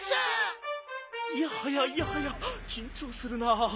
いやはやいやはやきんちょうするなあ。